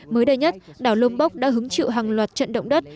mới đây nhất đảo lômbok đã hứng chịu hàng loạt trận động đất